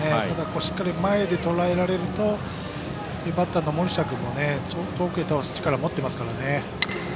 しっかり前でとらえられるとバッターの森下君もちょっと遠くへ飛ばす力を持ってますからね。